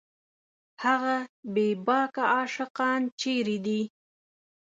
هغه بېباکه عاشقان چېرې دي